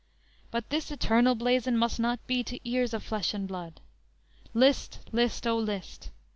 But this eternal blazon must not be To ears of flesh and blood. List! list, O list!